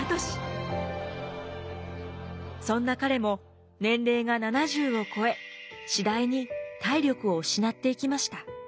そんな彼も年齢が７０を超え次第に体力を失っていきました。